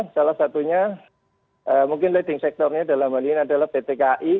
salah satunya mungkin leading sectornya dalam hal ini adalah pt kai